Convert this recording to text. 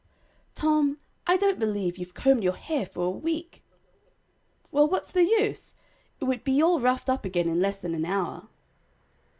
"Tom, I don't believe you've combed your hair for a week!" "Well, what's the use? it would be all roughed up again in less than an hour."